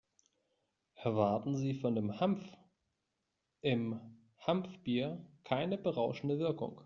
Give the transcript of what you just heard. Erwarten Sie von dem Hanf im Hanfbier keine berauschende Wirkung.